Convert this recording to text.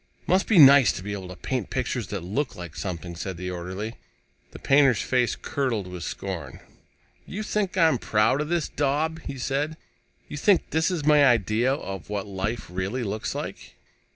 "Must be nice to be able to make pictures that look like something," said the orderly. The painter's face curdled with scorn. "You think I'm proud of this daub?" he said. "You think this is my idea of what life really looks like?"